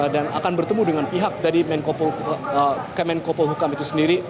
dan akan bertemu dengan pihak dari kementerian politik dan hukum itu sendiri